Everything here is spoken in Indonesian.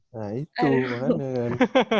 nah itu gimana kan